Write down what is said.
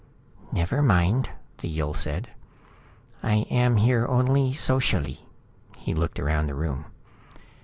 "Never mind," the Yill said. "I am here only socially." He looked around the room.